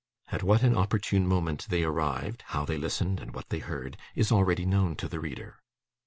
At what an opportune moment they arrived, how they listened, and what they heard, is already known to the reader.